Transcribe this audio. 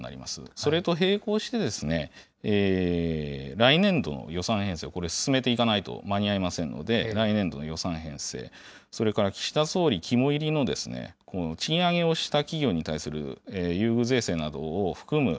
それと並行してですね、来年度の予算編成、これ進めていかないと間に合いませんので、来年度の予算編成、それから岸田総理肝煎りの賃上げをした企業に対する優遇税制などを含む